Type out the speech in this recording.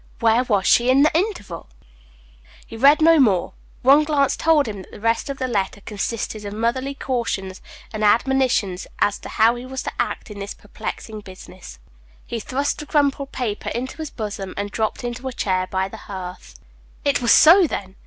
Where was she in the interval?" He read no more. One glance told him that the rest of the letter consisted of motherly cautions and admonitions as to how he was to act in this perplexing business. He thrust the crumpled paper into his bosom, and dropped into a chair by the hearth. It was so, then!